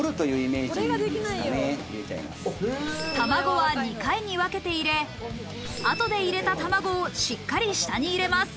卵は２回に分けて入れ、後で入れた卵をしっかり下に入れます。